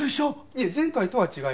いえ前回とは違います。